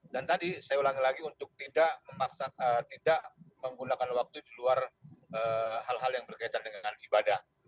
dan tadi saya ulangi lagi untuk tidak menggunakan waktu di luar hal hal yang berkaitan dengan ibadah